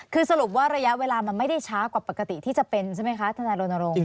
คือสรุปว่าระยะเวลามันไม่ได้ช้ากว่าปกติที่จะเป็นใช่ไหมคะทนายรณรงค์